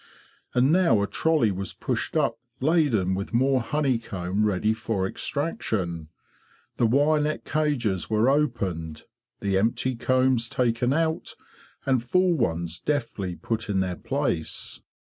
And now a trolley was pushed up laden with more honeycomb ready for extraction. The wire net cages were opened, the empty combs taken out, and full ones deftly put in their place.